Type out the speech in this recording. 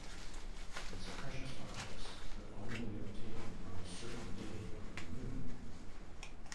These precious objects could only be obtained on a certain day of the moon.